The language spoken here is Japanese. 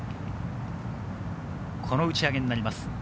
この打ち上げになります。